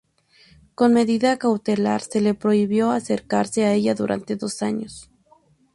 Como medida cautelar, se le prohibió acercarse a ella durante dos años.